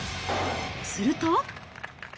すると。